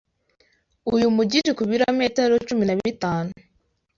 uyu mujyi uri ku bilometero cumi nabitanu